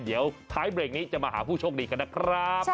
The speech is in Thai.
เดี๋ยวท้ายเบรกนี้จะมาหาผู้โชคดีกันนะครับ